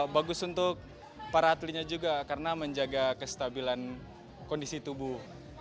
bagus untuk para atletnya juga karena menjaga kestabilan kondisi tubuh